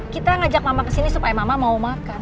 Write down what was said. kita ngajak mama kesini supaya mama mau makan